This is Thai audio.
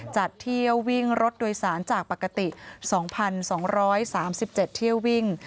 จัดเที่ยววิ่งรถโดยสารจากปกติ๒๒๓๗เที่ยววิ่ง